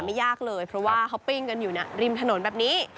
ไม่ยากเลยเพราะว่าเขาปิ้งกันอยู่ริมถนนแบบนี้